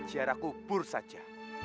jarak kubur saja